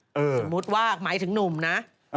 สมมุติว่าหมายถึงหนุ่มนะ